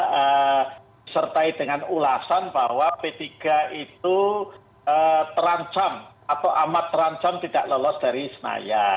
saya dengan ulasan bahwa p tiga itu terancam atau amat terancam tidak lolos dari senayan